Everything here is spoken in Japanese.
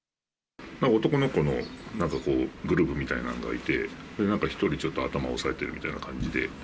男の子のなんか、グループみたいなのがいて、それでなんか１人、ちょっと頭を押さえているみたいな感じで。